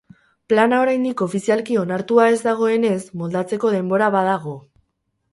Plana oraindik ofizialki onartua ez dagoenez, moldatzeko denbora badago.